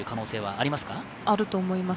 あると思います。